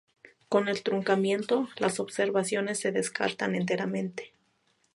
Con el truncamiento, las observaciones se descartan enteramente.